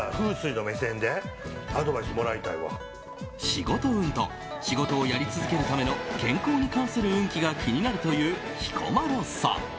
仕事運と仕事をやり続けるための健康に関する運気が気になるという彦摩呂さん。